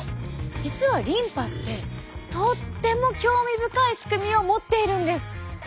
実はリンパってとっても興味深い仕組みを持っているんです。